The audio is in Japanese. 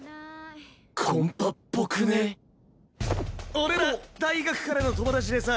俺ら大学からの友達でさ。